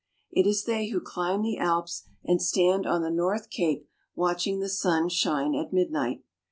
It is they who climb the Alps and stand on the North Cape watching the sun shine at midnight.